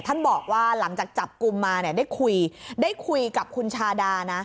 ท่านบอกว่าหลังจากจับกลุ่มมาได้คุยกับคุณชาดาน